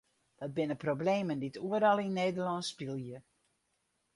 Dat binne problemen dy't oeral yn Nederlân spylje.